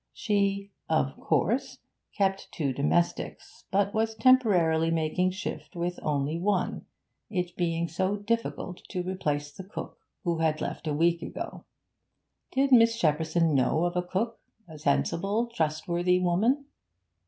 She, 'of course,' kept two domestics, but was temporarily making shift with only one, it being so difficult to replace the cook, who had left a week ago. Did Miss Shepperson know of a cook, a sensible, trustworthy woman?